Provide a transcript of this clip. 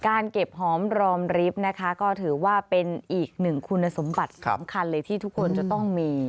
เก็บหอมรอมริฟต์นะคะก็ถือว่าเป็นอีกหนึ่งคุณสมบัติสำคัญเลยที่ทุกคนจะต้องมี